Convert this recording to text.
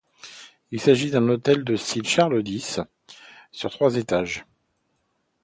Il s'agit d'un hôtel de style Charles X sur trois étages.